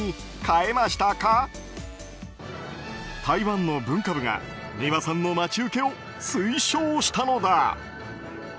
台湾の文化部が、美輪さんの待ち受けを推奨したのだ。